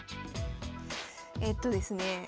えっとですね